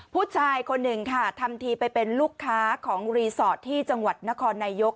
ผู้ชายคนหนึ่งค่ะทำทีไปเป็นลูกค้าของรีสอร์ทที่จังหวัดนครนายก